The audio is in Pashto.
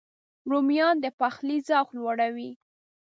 رومیان د پخلي ذوق لوړوي